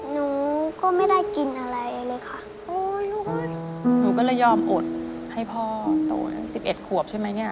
หนูก็ไม่ได้กินอะไรเลยค่ะโอ้ยลูกหนูก็เลยยอมอดให้พ่อโตสิบเอ็ดขวบใช่ไหมเนี่ย